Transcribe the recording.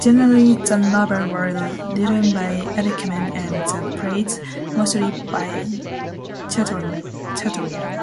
Generally the novels were written by Erckmann, and the plays mostly by Chatrian.